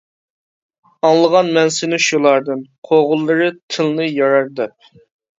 ئاڭلىغان مەن سىنى شۇلاردىن، قوغۇنلىرى تىلنى يارار دەپ.